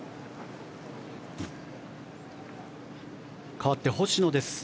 かわって星野です。